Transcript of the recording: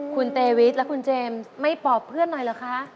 คุณเตวิทและคุณเจมส์ไม่ปอบเพื่อนหน่อยเหรอคะ